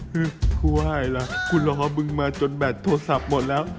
คือกูว่าไงล่ะคุณรอมึงมาจนแบตโทรศัพท์หมดแล้ว